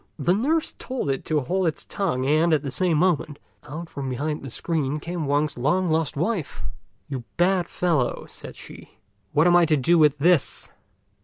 The nurse told it to hold its tongue, and, at the same moment, out from behind the screen came Wang's long lost wife. "You bad fellow," said she, "what am I to do with this?"